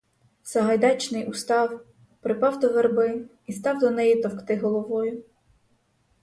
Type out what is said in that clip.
Сагайдачний устав, припав до верби і став до неї товкти головою.